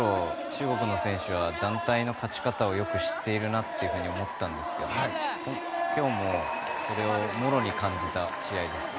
中国の選手は団体の勝ち方をよく知っているなと思ったんですけど今日も、それをもろに感じた試合でした。